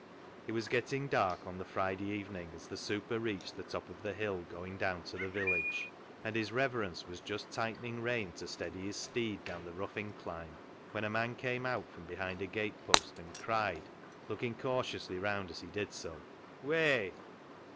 It was getting dark on the Friday even ing as the " super " reached the top of the hill going down to the village, and his reverence was just tightening rein to steady his steed down the rough incline when a man came out from behind a gate post and cried, looking cautiously round as he did so, " Whey